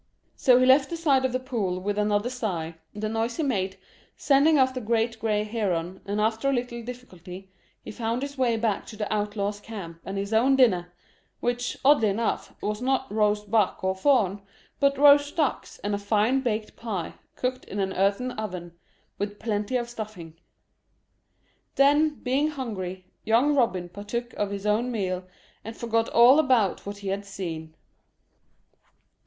So he left the side of the pool with another sigh, the noise he made sending off the great gray heron, and after a little difficulty he found his way back to the outlaws' camp and his own dinner, which, oddly enough, was not roast buck or fawn, but roast ducks and a fine baked pike, cooked in an earthen oven, with plenty of stuffing. Then, being hungry, young Robin partook of his own meal, and forgot all about what he had seen.